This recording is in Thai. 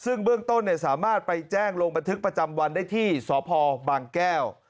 ซึ่งเบื้องต้นสามารถไปแจ้งลงบันทึกประจำวันได้ที่สพบางแก้ว